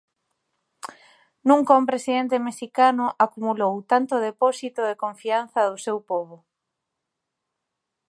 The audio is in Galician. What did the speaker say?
Nunca un presidente mexicano acumulou tanto depósito de confianza do seu pobo.